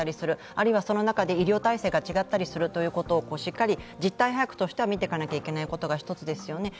あるいは、その中で医療体制が違ったりするということをしっかり実態把握として見ていかなきゃいけないことが一つですよね。